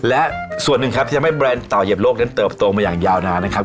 และส่วนหนึ่งครับที่ทำให้แบรนด์ต่อเหยียบโลกนั้นเติบโตมาอย่างยาวนานนะครับ